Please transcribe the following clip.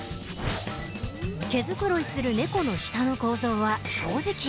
毛繕いする猫の舌の構造は掃除機へ。